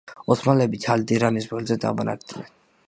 ოსმალები ჩალდირანის ველზე დაბანაკდნენ.